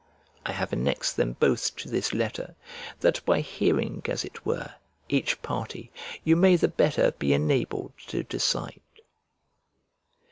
I have annexed them both to this letter; that by hearing, as it were, each party, you may the better be enabled to decide.